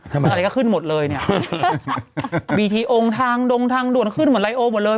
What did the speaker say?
ใช่ไหมอะไรก็ขึ้นหมดเลยเนี้ยบีทีองทางดงทางด่วนขึ้นหมดไลโอหมดเลย